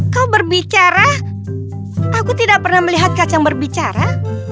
kau berbicara aku tidak pernah melihat kacang berbicara